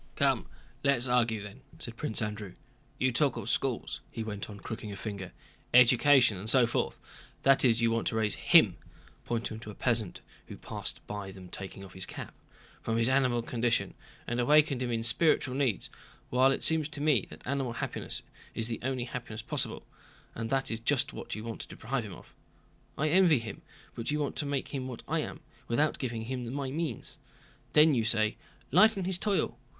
"Come, let's argue then," said Prince Andrew, "You talk of schools," he went on, crooking a finger, "education and so forth; that is, you want to raise him" (pointing to a peasant who passed by them taking off his cap) "from his animal condition and awaken in him spiritual needs, while it seems to me that animal happiness is the only happiness possible, and that is just what you want to deprive him of. I envy him, but you want to make him what I am, without giving him my means. Then you say, 'lighten his toil.